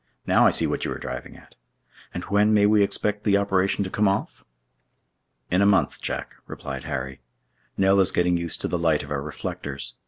"Now I see what you are driving at. And when may we expect the operation to come off?" "In a month, Jack," replied Harry. "Nell is getting used to the light of our reflectors.